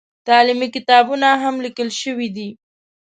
تعلیمي کتابونه هم لیکل شوي دي.